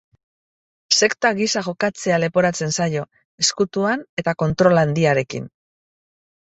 Sekta gisa jokatzea leporatzen zaio, ezkutuan eta kontrol handiarekin.